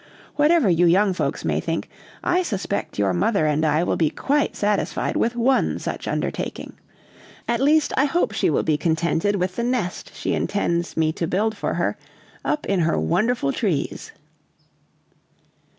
Whatever you young folks may think, I suspect your mother and I will be quite satisfied with one such undertaking. At least I hope she will be contented with the nest she intends me to build for her up in her wonderful trees."